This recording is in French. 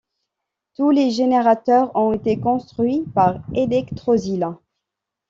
Tous les générateurs ont été construits par Elektrosila.